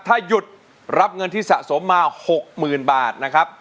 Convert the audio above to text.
ถ้าหยุดรับเงินที่สะสมมา๖๐๐๐บาทนะครับ